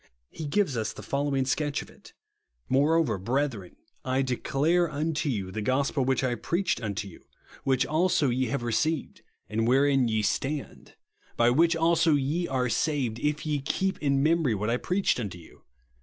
He gives us the following sketch of it :" Moreover, brethren, I declare unto you the gospel svhich I preached unto you, which also ye OF THE SUBSTITUTE. 71 have received, and wherein ye stand ; by which also ye are saved, if ye keep in memory what I preached unto yon.